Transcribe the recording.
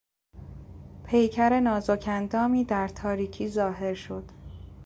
پیکر نازک اندامی در تاریکی ظاهر شد.